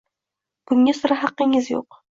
Bunga sira haqqingiz yo‘q.